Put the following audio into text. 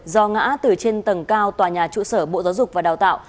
do ngã từ trên tầng cao tòa nhà trụ sở bộ giáo dục và đào tạo